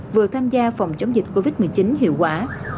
vừa tham gia phòng chống dịch covid một mươi chín hiệu quả